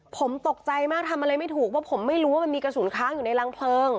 ผมตกใจมากทำอะไรไม่ถูกว่าผมไม่รู้ว่ามันมีกระสุนค้างอยู่ในรังเพลิง